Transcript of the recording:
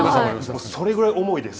それぐらい重いです。